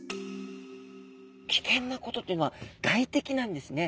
危険なことっていうのは外敵なんですね。